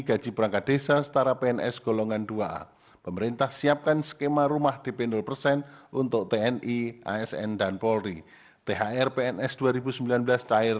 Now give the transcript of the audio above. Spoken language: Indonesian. akan dinaikkan mulai